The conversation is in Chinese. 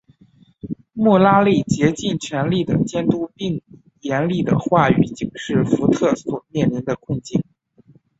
穆拉利竭尽全力地监督并以严厉的话语警示福特所面临的困境。